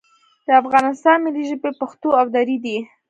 د افغانستان ملي ژبې پښتو او دري دي